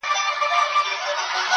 خود به يې اغزی پرهر، پرهر جوړ کړي~